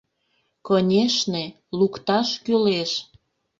Конешне, лукташ кӱлеш.